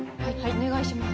お願いします。